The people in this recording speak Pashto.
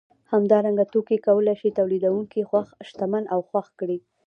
همدارنګه توکي کولای شي تولیدونکی شتمن او خوښ کړي